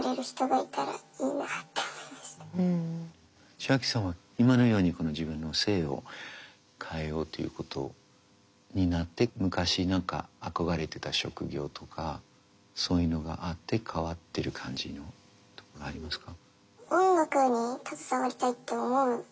チアキさんは今のようにこの自分の性を変えようということになって昔何か憧れてた職業とかそういうのがあって変わってる感じのとかありますか？